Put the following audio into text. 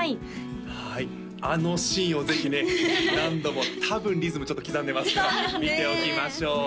はいあのシーンをぜひね何度も多分リズムちょっと刻んでますから見ておきましょう